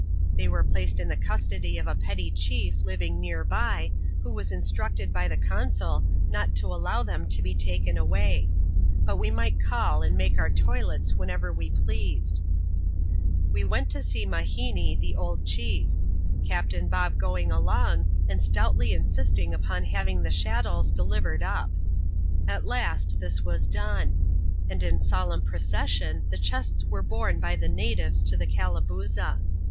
They were placed in the custody of a petty chief living near by, who was instructed by the consul not to allow them to be taken away ; but we might call and make our toilets whenever we pleased. We went to see Mabinee, t\ie o\9Lc\i\fti\ C»«^\.^Ti^b ^iog m^. xxxn.] CHE8T& ^FRIENDSHIPS IN POLYNESIA. 153 along, and stoutlj insisting upon having the chattels delivered np. At last this was done ; and in solemn procession the chests "were borne by the natives to the Calabooza.